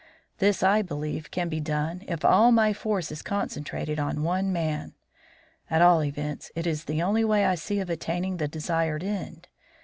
This, I believe, can be done if all my force is concentrated on one man. At all events it is the only way I see of attaining the desired end.